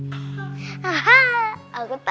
ahah aku tahu